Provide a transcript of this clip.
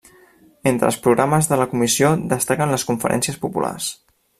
Entre els programes de la Comissió destaquen les conferències populars.